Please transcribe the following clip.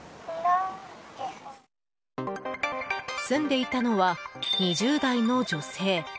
住んでいたのは２０代の女性。